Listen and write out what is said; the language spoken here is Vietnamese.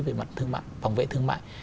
về mặt thương mại phòng vệ thương mại